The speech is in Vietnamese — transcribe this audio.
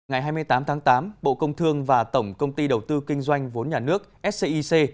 ngày hai mươi tám tháng tám bộ công thương và tổng công ty đầu tư kinh doanh vốn nhà nước scic